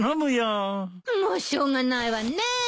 もうしょうがないわねえ。